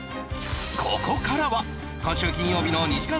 ここからは今週金曜日の２時間